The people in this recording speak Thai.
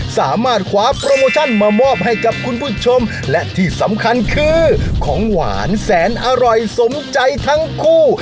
สามารถคว้าโปรโมชั่นมามอบให้กับคุณผู้ชมและที่สำคัญคือของหวานแสนอร่อยสมใจทั้งคู่